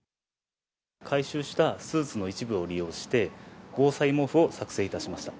回収したスーツの一部を利用して、防災毛布を作製いたしました。